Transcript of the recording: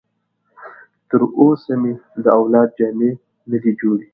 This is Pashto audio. تر اوسه مې د اولاد جامې نه دي جوړې.